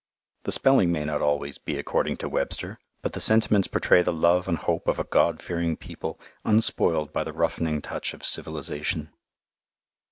The spelling may not always be according to Webster, but the sentiments portray the love and hope of a God fearing people unspoiled by the roughening touch of civilization.